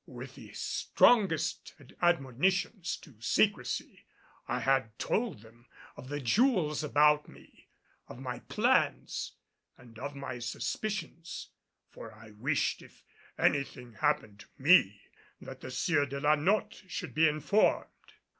With the strongest admonitions to secrecy, I had told them of the jewels about me, of my plans and of my suspicions; for I wished, if anything happened to me, that the Sieur de la Notte should be informed.